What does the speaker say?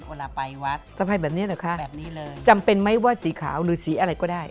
เวลาไปวัดสะพายแบบนี้เหรอคะแบบนี้เลยจำเป็นไหมว่าสีขาวหรือสีอะไรก็ได้